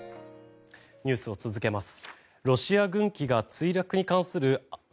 ニュースを続けます。